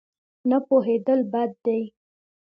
نه پوهېدل بد دی.